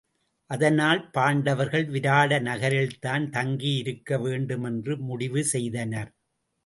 அதனால் பாண்டவர்கள் விராட நகரில்தான் தங்கி இருக்க வேண்டும் என்று முடிவு செய்தனர்.